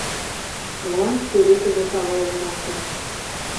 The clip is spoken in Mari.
Молан шке векыже савырен моштыш.